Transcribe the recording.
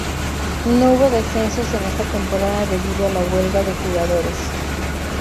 No hubo descensos en esta temporada debido a la huelga de jugadores.